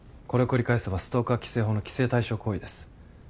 これを繰り返せばストーカー規制法の規制対象行為です。